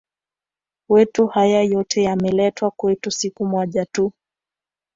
wetu haya yote yameletwa kwetu siku moja tu